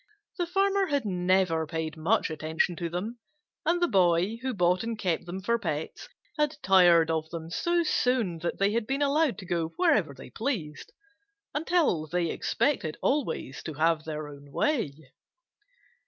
The Farmer had never paid much attention to them, and the Boy, who bought and kept them for pets, had tired of them so soon that they had been allowed to go wherever they pleased, until they expected always to have their own way.